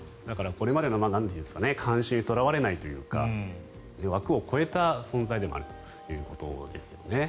これまでの慣習にとらわれないというか枠を超えた存在でもあるということですよね。